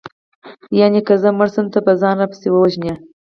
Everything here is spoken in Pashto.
یانې که زه مړه شوم ته به ځان راپسې ووژنې